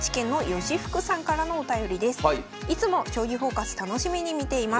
いつも「将棋フォーカス」楽しみに見ています。